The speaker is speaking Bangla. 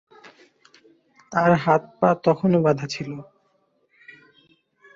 তার হাত -পা তখনো বাঁধা ছিল।